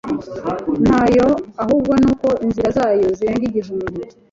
ntayo ahubwo ni uko inzira zayo zirenga igihumbi